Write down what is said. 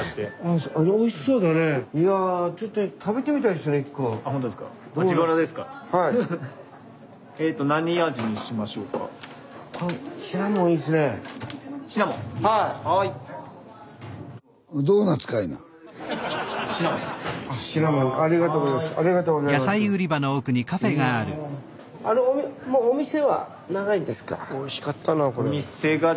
スタジオおいしかったなこれ。